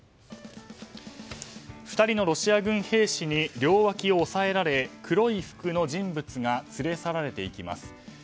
２人のロシア軍兵士に両わきを押さえられ黒い服の人物が連れ去られていきます。